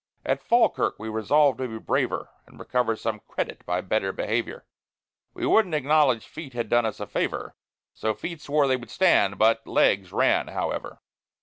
At Falkirk we resolved to be braver, And recover some credit by better behavior: We wouldn't acknowledge feet had done us a favor, So feet swore they would stand, but legs ran however.